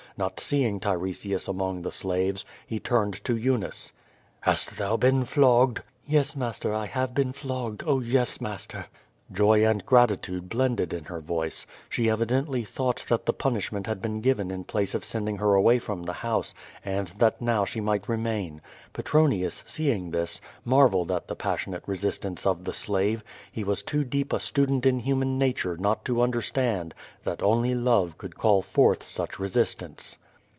Not seeing Tiresias among the salves, he turned to Eunice. "Hast thou been flogged?" ^TTes, master, I have been flogged. Oh, yes, master!'^ Joy and gratitude blended in her voice. She evidently thought that the punishment had been given in place of send ing her away from the house, and that now she might re main. Petronius, seeing this, marvelled at the passionate resistance of the slave; he was too deep a student in human nature not to understand that only love could call forth such resistance.